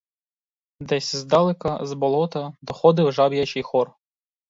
Десь здалека, з болота, доходив жаб'ячий хор.